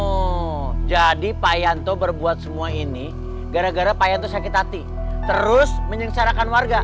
oh jadi payanto berbuat semua ini gara gara payanto sakit hati terus menyengsarakan warga